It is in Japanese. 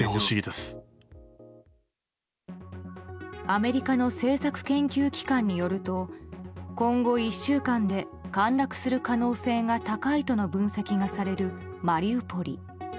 アメリカの政策研究機関によると今後１週間で陥落する可能性が高いとの分析がされるマリウポリ。